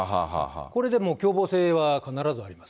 これでもう共謀性は必ずあります。